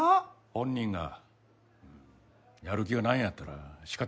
本人がやる気がないんやったら仕方ねえやろ。